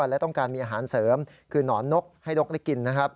และต้องการมีอาหารเสริมคือหนอนนกให้นกได้กินนะครับ